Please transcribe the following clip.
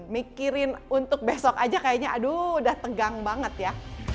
mikirin untuk besok aja kayaknya aduh udah tegang banget ya